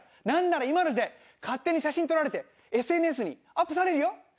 なんなら今の時代勝手に写真撮られてＳＮＳにアップされるよ。